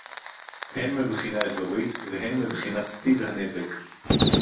הן מבחינה אזורית והן מבחינת טיב הנזק